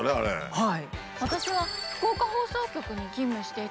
はい。